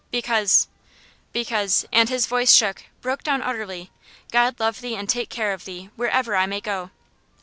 Because because " and his voice shook broke down utterly. "God love thee and take care of thee, wherever I may go!"